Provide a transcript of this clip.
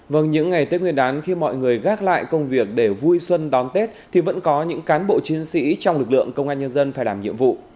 vâng những ngày tết nguyên đán khi mọi người gác lại công việc để vui xuân đón tết thì vẫn có những cán bộ chiến sĩ trong lực lượng công an nhân dân phải làm nhiệm vụ